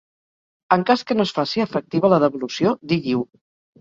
En cas que no es faci efectiva la devolució digui-ho.